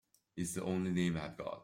It's the only name I've got.